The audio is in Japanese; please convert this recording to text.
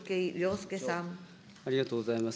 ありがとうございます。